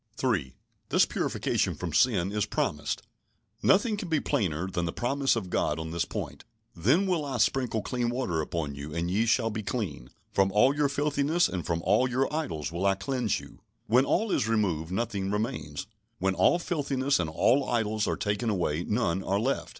3. This purification from sin is promised. Nothing can be plainer than the promise of God on this point. "Then will I sprinkle clean water upon you, and ye shall be clean; from all your filthiness and from all your idols will I cleanse you." When all is removed, nothing remains. When all filthiness and all idols are taken away, none are left.